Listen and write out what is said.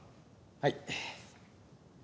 はい。